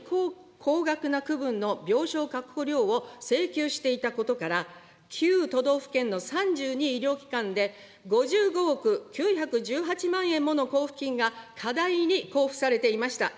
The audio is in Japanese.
高額な区分の病床確保料を請求していたことから、９都道府県の３２医療機関で、５５億９１８万円もの交付金が、過大に交付されていました。